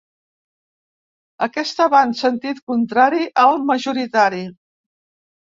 Aquesta va en sentit contrari al majoritari.